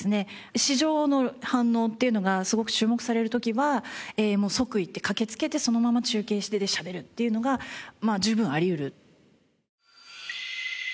市場の反応っていうのがすごく注目される時は即行って駆けつけてそのまま中継してしゃべるっていうのがまあ十分あり得る。